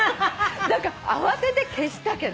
だから慌てて消したけど。